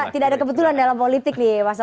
tidak ada kebetulan dalam politik nih mas loto